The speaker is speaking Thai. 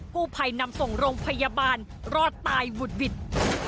ผู้ภัยนำส่งลงพยาบาลรอดตายวุดวิทย์